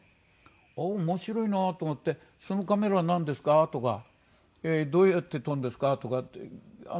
あっ面白いなと思って「そのカメラなんですか？」とか「どうやって撮るんですか？」とかって。